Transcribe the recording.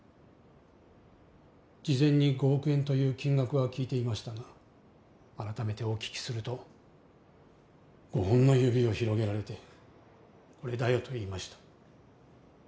事前に５億円という金額は聞いていましたが改めてお聞きすると５本の指を広げられて「これだよ」と言いました。